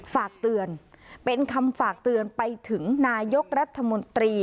ฝากเตือนเป็นคำฝากเตือนไปถึงนายกรัฐมนตรี